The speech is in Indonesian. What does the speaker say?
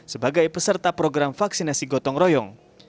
sebagai peserta program vaksinasi gotong royong